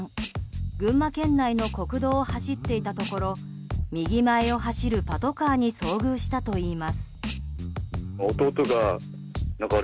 群馬県内の国道を走っていたところ右前を走るパトカーに遭遇したといいます。